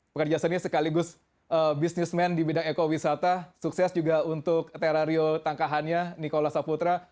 pekerja seni sekaligus businessman di bidang ekowisata sukses juga untuk terario tangkahannya nikola saputra